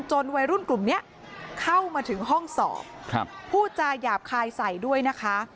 วัยรุ่นกลุ่มนี้เข้ามาถึงห้องสอบพูดจาหยาบคายใส่ด้วยนะคะ